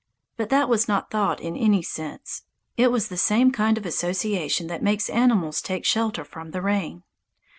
But that was not thought in any sense. It was the same kind of association that makes animals take shelter from the rain.